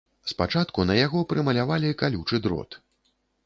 Спачатку на яго прымалявалі калючы дрот.